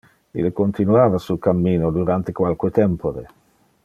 Ille continuava su cammino durante qualque tempore.